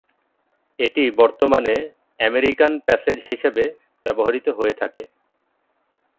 এটি বর্তমানে "American passage" হিসেবে ব্যবহৃত হয়ে থাকে।